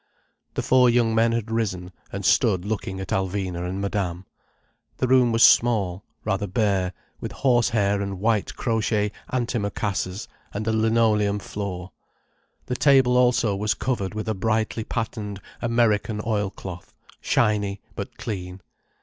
The four young men had risen, and stood looking at Alvina and Madame. The room was small, rather bare, with horse hair and white crochet antimacassars and a linoleum floor. The table also was covered with a brightly patterned American oil cloth, shiny but clean.